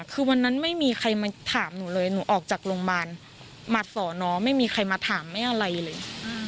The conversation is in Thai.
คือวันนั้นไม่มีใครมาถามหนูเลยหนูออกจากโรงพยาบาลมาสอนน้องไม่มีใครมาถามไม่อะไรเลย